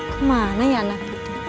ke mana ya anak itu